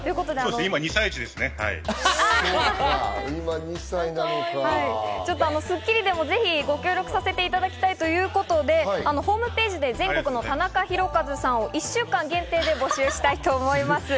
平成最後の田中『スッキリ』でもご協力をさせていただきたいということで、ホームページで全国の「たなかひろかず」さんを１週間限定で募集したいと思います。